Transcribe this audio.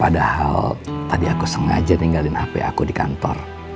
padahal tadi aku sengaja ninggalin hp aku di kantor